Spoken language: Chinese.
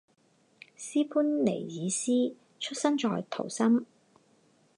斯潘尼尔斯出生在图森。